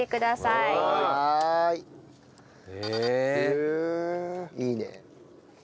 いいね。